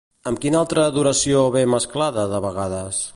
Amb quina altra adoració ve mesclada de vegades?